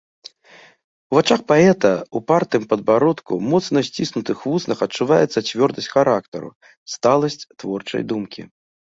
У вачах паэта, упартым падбародку, моцна сціснутых вуснах адчуваецца цвёрдасць характару, сталасць творчай думкі.